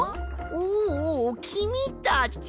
おおおおきみたち。